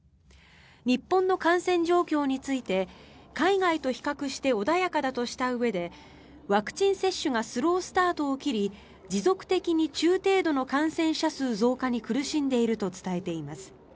日本の感染状況について海外と比較して穏やかだとしたうえでワクチン接種がスロースタートを切り持続的に中程度の感染者数の増加に苦しんでいると伝えています。